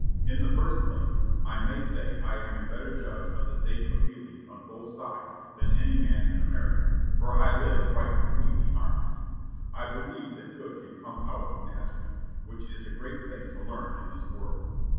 In the first place I may say I am a better judge of the state of feel ings on both sides than any man in America, for I live right be tween the armies. I believe that good can come out of Nazareth, which is a great thing to learn in this world."